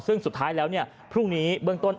ซึ่งสุดท้ายแล้วพรุ่งนี้เบื้องต้น